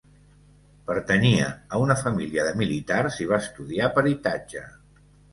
Pertanyia a una família de militars i va estudiar peritatge.